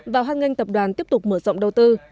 và hoan nghênh tập đoàn tiếp tục mở rộng đầu tư